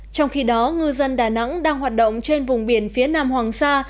trong khi đó ngư dân đà nẵng đang hoạt động trên vùng biển phía nam hoàng sa